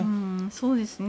そうですね。